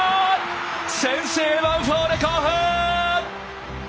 先制ヴァンフォーレ甲府！